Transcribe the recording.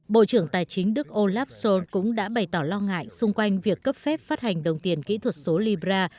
bộ trưởng tài chính đức olaf scholz cũng đã bày tỏ lo ngại xung quanh việc cấp phép phát hành đồng tiền kỹ thuật số libra